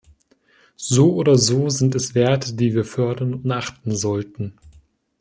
So oder so sind es Werte, die wir fördern und achten sollten.